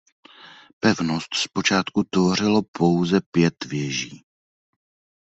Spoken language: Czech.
Pevnost zpočátku tvořilo pouze pět věží.